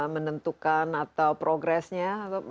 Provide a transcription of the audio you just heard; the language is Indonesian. menentukan atau progresnya